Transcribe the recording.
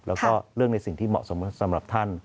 แล้วก็เรื่องในสิ่งที่เหมาะสมสำหรับท่าน